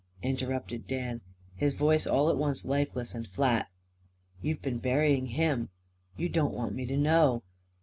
interrupted Dan, his voice all at once lifeless and flat. "You been burying him. You don't want me to know.